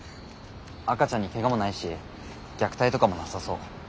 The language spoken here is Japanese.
赤ちゃんにケガもないし虐待とかもなさそう。